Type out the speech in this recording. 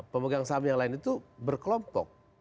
pemegang saham yang lain itu berkelompok